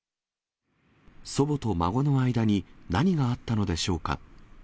祖母と孫の間に、何があったのでしょうか。